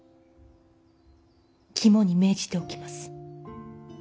肝に銘じておきます。